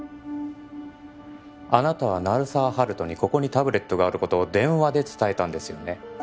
あなたは鳴沢温人にここにタブレットがあることを電話で伝えたんですよね？